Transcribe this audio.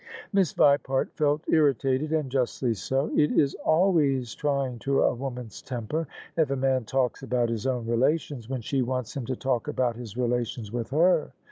Miss Vipart felt irritated; and justly so. It is always trying to a woman's temper if a man talks about his own relations, when she wants him to talk about his relations with her.